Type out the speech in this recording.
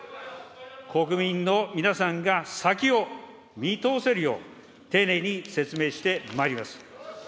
国民の皆さんが先を見通せるよう、丁寧に説明してまいります。